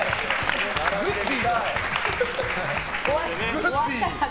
「グッディ！」